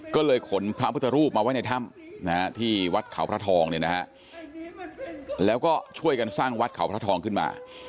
ก็เลยขนพระพุทธรูปมาไว้ในถ้ำที่วัดเขาพระทองเนี่ยนะฮะแล้วก็ช่วยกันสร้างวัดเขาพระทองขึ้นมา